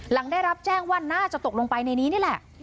หลังได้รับแจ้งว่าน่าจะตกลงไปในนี้นี่แหละ